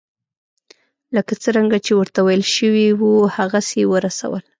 لکه څرنګه چې ورته ویل شوي وو هغسې یې ورسول.